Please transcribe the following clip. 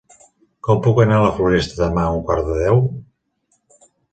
Com puc anar a la Floresta demà a un quart de deu?